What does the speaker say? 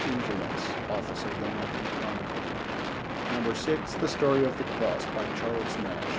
(Inverness: Office of the Northern Chronicle.) (6) The Story of the Cross. By Charles Nash.